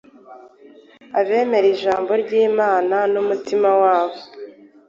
Abemera ijambo ry’Imana n’umutima wabo